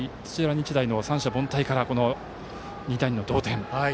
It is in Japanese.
日大の三者凡退から２対２の同点。